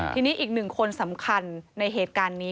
ทีนี้อีกหนึ่งคนสำคัญในเหตุการณ์นี้